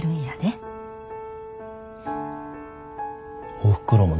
おふくろもな。